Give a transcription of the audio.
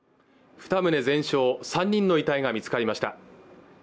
二棟全焼３人の遺体が見つかりました